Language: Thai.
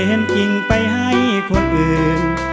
เห็นจริงไปให้คนอื่น